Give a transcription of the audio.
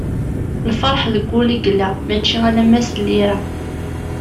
Lferḥ deg wul i yella, mačči alamma s llira.